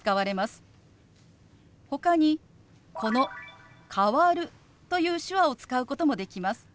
ほかにこの「変わる」という手話を使うこともできます。